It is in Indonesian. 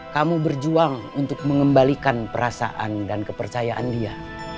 kamu berjuang untuk mengembalikan perasaan dan kepercayaan dia